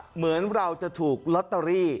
เหมือนเราจะถูกลอตเตอรี่